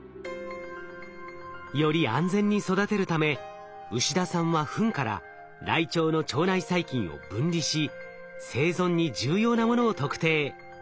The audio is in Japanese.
より安全に育てるため牛田さんはフンからライチョウの腸内細菌を分離し生存に重要なものを特定。